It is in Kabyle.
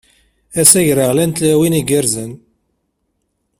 Ass agreɣlan n tlawin igerrzen!